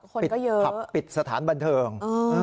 คนก็เยอะปิดสถานบันเทิง